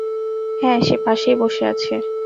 হ্যাঁ, সে পাশেই বসে আছে।